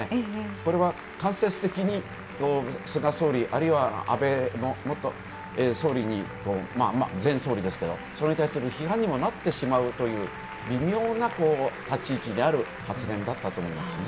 これは間接的に菅総理、あるいは安倍前総理それに対する批判にもなってしまうという微妙な立ち位置である発言だったと思いますね。